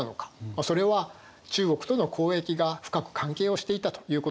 それは中国との交易が深く関係をしていたということになります。